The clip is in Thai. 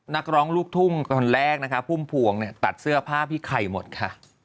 นักร้องลูกทุ่งคนแรกนะคะพุ่มพวงเนี่ยตัดเสื้อผ้าพี่ไข่หมดค่ะ